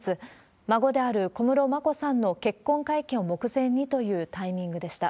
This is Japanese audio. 孫である小室眞子さんの結婚会見を目前にというタイミングでした。